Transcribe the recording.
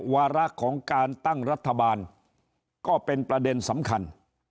วาระของการตั้งรัฐบาลก็เป็นประเด็นสำคัญ